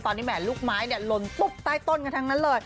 ตอนนี้แห่ลูกไม้หล่นตุ๊บใต้ต้นกันทั้งนั้นเลย